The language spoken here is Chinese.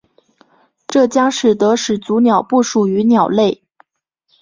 这将使得始祖鸟不属于鸟类。